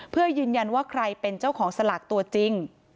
เพื่อยืนยันว่าใครเป็นเจ้าของสลากตัวจริง